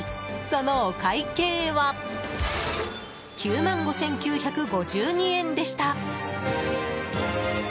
そのお会計は９万５９５２円でした。